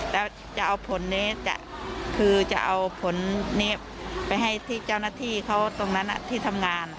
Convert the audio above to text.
แล้วจะเอาผลนี้คือจะเอาผลนี้ไปให้ที่เจ้าหน้าที่เขาตรงนั้นที่ทำงาน